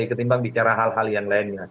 ketimbang bicara hal hal yang lainnya